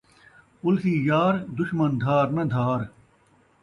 پلسی یار، دشمن دھار ناں دھار